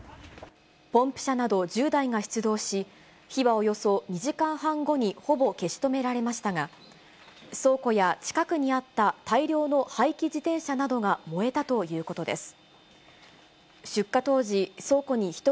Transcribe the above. ポンプ車など１０台が出動し、火はおよそ２時間半後にほぼ消し止められましたが、倉庫や近くにあった大量の廃棄自転車などが燃えたということです。